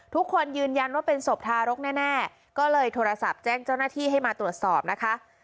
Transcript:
ทุกคนยืนยันว่าเป็นศพทารกแน่ก็เลยโทรศัพท์แจ้งเจ้าหน้าที่ให้มาตรวจสอบนะคะ